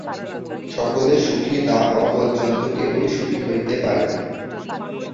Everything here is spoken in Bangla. সকলে সুখী না হওয়া পর্যন্ত কেহই সুখী হইতে পারে না।